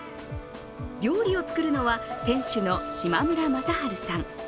料理を作るのは店主の島村雅晴さん。